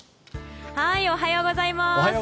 おはようございます。